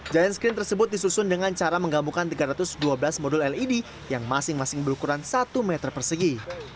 giant screen tersebut disusun dengan cara menggambungkan tiga ratus dua belas modul led yang masing masing berukuran satu meter persegi